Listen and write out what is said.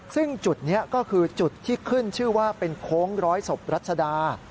ซึ่งจุดนี้ก็คือจุดที่ขึ้นชื่อว่าเป็นโค้งร้อยศพรัชดา